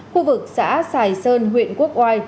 khu vực xã sài sơn huyện quốc oai